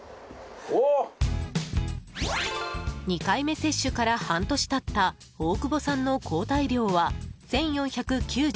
２回目接種から半年経った大窪さんの抗体量は１４９３。